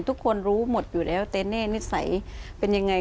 ทุกคนรู้หมดอยู่แล้วแต่แน่นิสัยเป็นยังไง